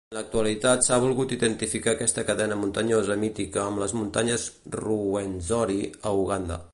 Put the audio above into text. En l'actualitat s'ha volgut identificar aquesta cadena muntanyosa mítica amb les muntanyes Ruwenzori, a Uganda.